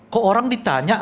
kok orang ditanya